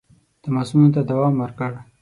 تماسونو ته دوام ورکړ.